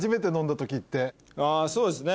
あそうですね